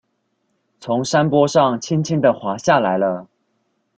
從山坡上輕輕的滑下來了